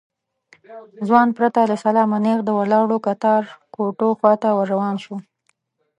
ځوان پرته له سلامه نېغ د ولاړو کتار کوټو خواته ور روان شو.